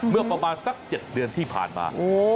เมื่อประมาณสัก๗เดือนที่ผ่านมา